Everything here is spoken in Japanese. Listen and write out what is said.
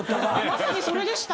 まさにそれでした。